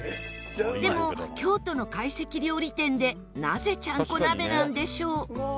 でも京都の懐石料理店でなぜちゃんこ鍋なんでしょう？